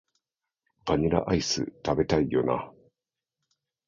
バニラアイス、食べたいよな